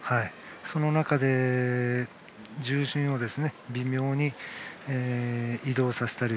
その中で重心を微妙に移動させたり。